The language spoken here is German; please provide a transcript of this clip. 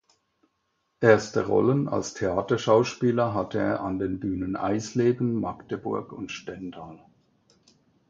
Erste Rollen als Theaterschauspieler hatte er an den Bühnen Eisleben, Magdeburg und Stendal.